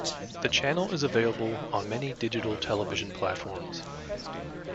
The channel is available on many digital television platforms.